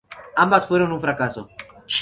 Ambas fueron un fracaso.